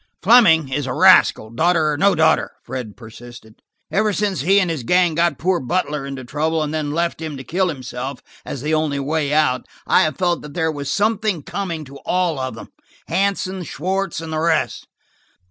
"Fleming is a rascal, daughter or no daughter," Fred persisted. "Ever since he and his gang got poor Butler into trouble and then left him to kill himself as the only way out, I have felt that there was something coming to all of them–Hansen, Schwartz and the rest.